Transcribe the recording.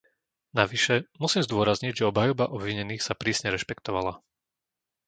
Navyše, musím zdôrazniť, že obhajoba obvinených sa prísne rešpektovala.